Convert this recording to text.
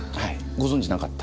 ご存じなかった？